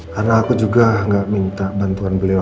karena aku juga gak minta bantuan beliau